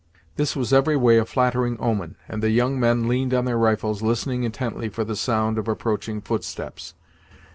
This was every way a flattering omen, and the young men leaned on their rifles, listening intently for the sound of approaching footsteps.